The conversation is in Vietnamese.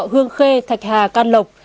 hương khê thạch hà can lộc